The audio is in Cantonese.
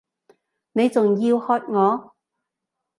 你仲要喝我！